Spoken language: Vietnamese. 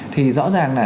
thì rõ ràng là